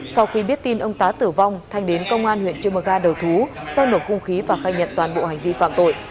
sau khi biết tin ông tá tử vong thanh đến công an huyện chumaga đầu thú sau nổ hung khí và khai nhận toàn bộ hành vi phạm tội